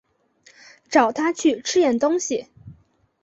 找她去吃点东西